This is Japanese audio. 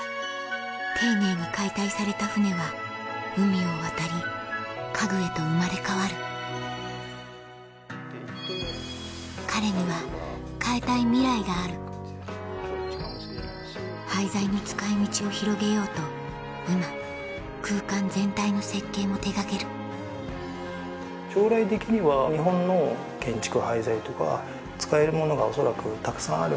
丁寧に解体された船は海を渡り家具へと生まれ変わる彼には変えたいミライがある廃材の使い道を広げようと今空間全体の設計も手がける将来的には日本の建築廃材とか使えるものが恐らくたくさんある。